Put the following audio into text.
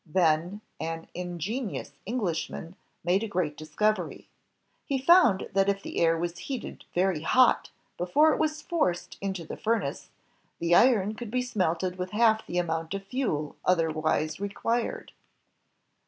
Then an ingenious Englishman made a great discovery. He found that if the air was heated very hot before it was forced into the furnace, the iron could be smelted with half the amount of fuel otherwise required.